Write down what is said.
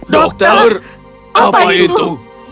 dokter apa itu